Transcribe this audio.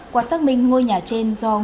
quả xác minh ngôi nhà trên do nguyễn kim biên